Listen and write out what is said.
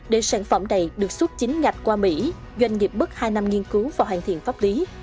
đề sản phẩm này được xuất chín ngạch qua mỹ doanh nghiệp bất hai năm nghiên cứu và hoàn thiện pháp lý